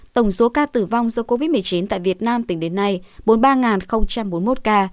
tổng số ca tử vong do covid một mươi chín tại việt nam tính đến nay bốn mươi ba bốn mươi một ca